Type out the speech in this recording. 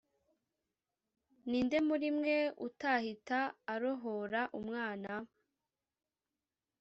ni nde muri mwe utahita arohora umwana